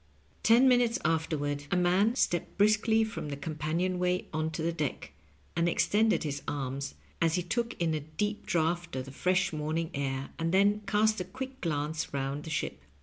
Ten minutes afterward a man stepped briskly from the companion way on to the deck, and extended his arms as he took in a deep draught of the fresh morning air, and then cast a quick glance around the ship.